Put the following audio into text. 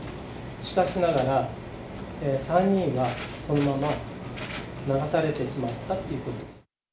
しかしながら、３人はそのまま流されてしまったっていうことです。